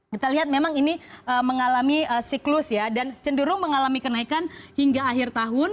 kita lihat memang ini mengalami siklus ya dan cenderung mengalami kenaikan hingga akhir tahun